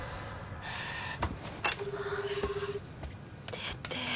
出て。